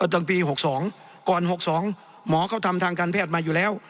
ตอนปี๖๒ก่อน๖๒หมอเขาทำทางการแพทย์มาอยู่แล้ว